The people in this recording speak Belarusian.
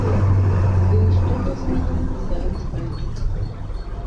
Быў істотна зменены дызайн сайту.